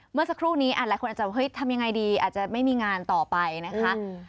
เมื่อสักครู่นี้หลายคนอาจจะเฮ้ยทำยังไงดีอาจจะไม่มีงานต่อไปนะคะ